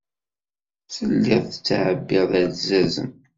Telliḍ tettɛebbiḍ alzazen.